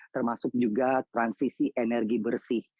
termasuk juga transisi energi bersih